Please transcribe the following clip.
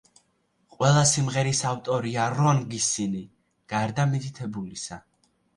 ყველა სიმღერის ავტორია რონ გისინი, გარდა მითითებულისა.